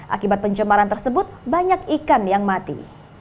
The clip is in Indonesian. akibat pencemaran tersebut banyak ikan yang mati